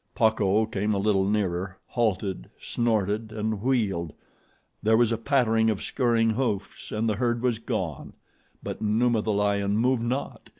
Pacco came a little nearer, halted, snorted, and wheeled. There was a pattering of scurrying hoofs and the herd was gone; but Numa, the lion, moved not.